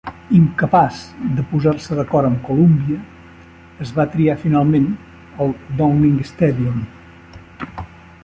Incapaç de posar-se d'acord amb Columbia, es va triar finalment el Downing Stadium.